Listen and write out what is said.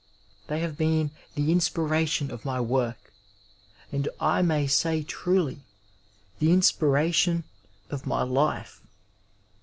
They have been tiie inspiration of my work, and I may say truly, the inspiration of my life.